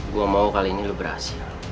gua mau kali ini lu berhasil